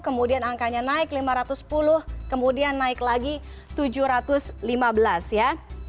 kemudian angkanya naik lima ratus sepuluh kemudian naik lagi tujuh ratus lima belas ya